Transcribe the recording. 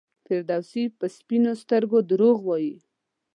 فردوسي په سپینو سترګو دروغ وایي.